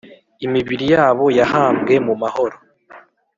Imibiri yabo yahambwe mu mahoro,